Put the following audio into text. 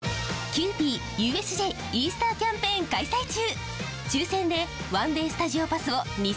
キユーピーＵＳＪイースターキャンペーン開催中！